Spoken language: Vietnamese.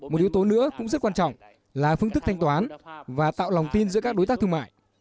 một yếu tố nữa cũng rất quan trọng là phương thức thanh toán và tạo lòng tin giữa các đối tác thương mại